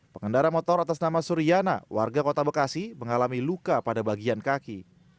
pengendara motor atas nama suryana warga kota bekasi mengalami luka pada bagian kaki